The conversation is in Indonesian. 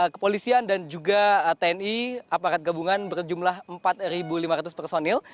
kepolisian dan juga tni aparat gabungan berjumlah empat lima ratus personil